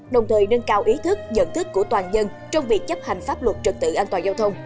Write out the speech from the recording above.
đồng thời nâng cao ý thức nhận thức của toàn dân trong việc chấp hành pháp luật trực tự an toàn giao thông